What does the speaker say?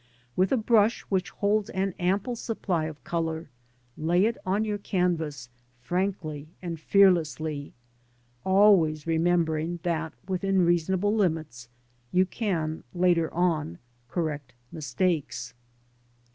With a brush which holds an ample supply of colour, lay it on your canvas frankly and fearlessly, always remem bering that, within reasonable limits, you can, later on, correct mistakes.